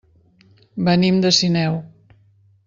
Venim de Sineu.